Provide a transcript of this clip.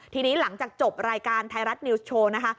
ทีนี้หลังจากจบรายการไทยรัฐนิวส์โชว์นะคะ